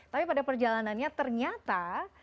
tapi pada perjalanannya ternyata